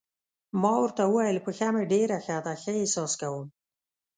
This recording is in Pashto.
ما ورته وویل: پښه مې ډېره ښه ده، ښه احساس کوم.